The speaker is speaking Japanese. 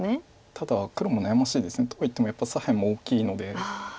ただ黒も悩ましいです。とか言ってもやっぱり左辺も大きいので。